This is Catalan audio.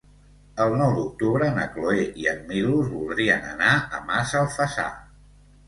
El nou d'octubre na Cloè i en Milos voldrien anar a Massalfassar.